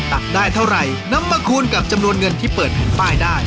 ตักได้เท่าไหร่นำมาคูณกับจำนวนเงินที่เปิดแผ่นป้ายได้